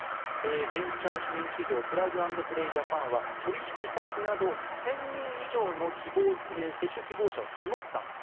ベンチャー支援企業プラグアンドプレイジャパンは取引先など１０００人以上の接種希望者を募ったんです。